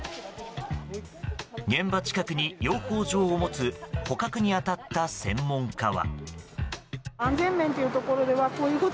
現場近くに養蜂場を持つ捕獲に当たった専門家は。